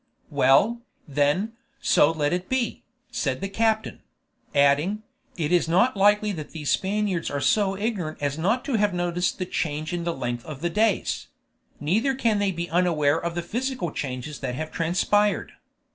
"Well, then, so let it be," said the captain; adding, "It is not likely that these Spaniards are so ignorant as not to have noticed the change in the length of the days; neither can they be unaware of the physical changes that have transpired.